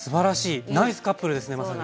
ナイスカップルですねまさに。